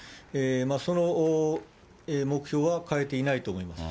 その目標は変えていないと思います。